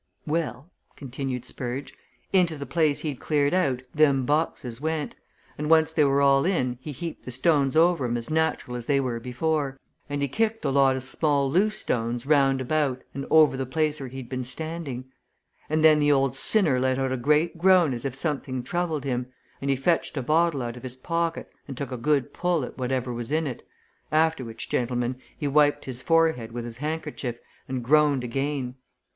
"Well," continued Spurge. "Into the place he'd cleared out them boxes went, and once they were all in he heaped the stones over 'em as natural as they were before, and he kicked a lot o' small loose stones round about and over the place where he'd been standing. And then the old sinner let out a great groan as if something troubled him, and he fetched a bottle out of his pocket and took a good pull at whatever was in it, after which, gentlemen, he wiped his forehead with his handkerchief and groaned again.